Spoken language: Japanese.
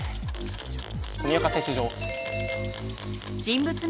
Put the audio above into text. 富岡製糸場。